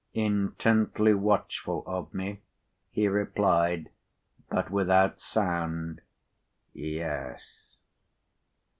Intently watchful of me, he replied (but without sound), "Yes."